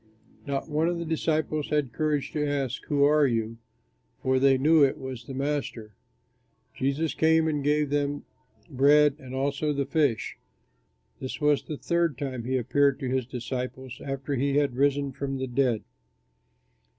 Not one of the disciples had courage to ask, "Who are you?" for they knew that it was the Master. Jesus came and gave them the bread and also the fish. This was the third time he appeared to his disciples after he had risen from the dead.